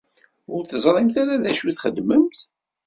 Ur teẓrimt ara d acu i txedmemt.